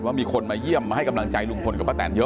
มีคนมาเยี่ยมมาให้กำลังใจลุงพลกับป้าแตนเยอะ